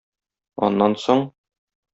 Аннан соң...